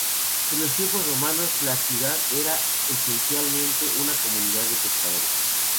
En los tiempos romanos la ciudad era, esencialmente, una comunidad de pescadores.